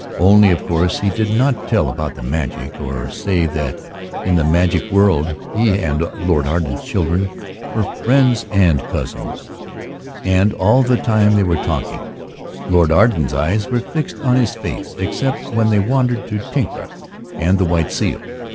Only of course he did not tell about the magic, or say that in that magic world he and Lord Arden's children were friends and cousins. And all the time they were talking Lord Arden's eyes were fixed on his face, except when they wandered to Tinkler and the white seal.